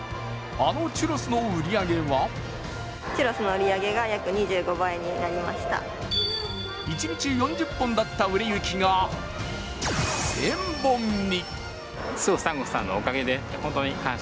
あのチュロスの売り上げは一日４０本だった売れ行きが１０００本に。